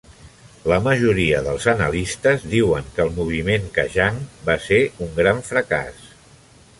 La majoria dels analistes diuen que el Moviment Kajang va ser un gran fracàs.